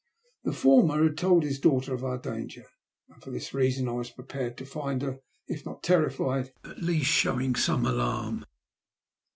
The former had told his daughter of our danger, and for this reason I was prepared to find her, if not terrified, at least showing some alarm.